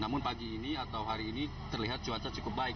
namun pagi ini atau hari ini terlihat cuaca cukup baik